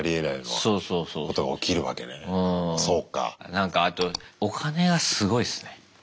なんかあとお金がすごいっすね。